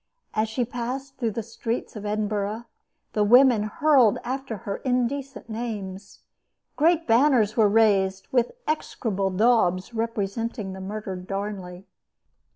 As she passed through the streets of Edinburgh the women hurled after her indecent names. Great banners were raised with execrable daubs representing the murdered Darnley.